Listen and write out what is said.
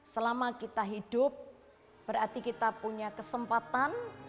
selama kita hidup berarti kita punya kesempatan